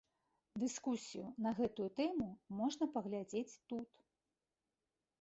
Дыскусію на гэтую тэму можна паглядзець тут.